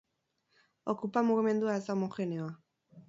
Okupa mugimendua ez da homogeneoa.